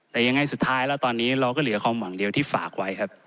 แต่ยังไงสุดท้ายแล้วตอนนี้เราก็เหลือความหวังเดียวที่ฝากไว้ครับ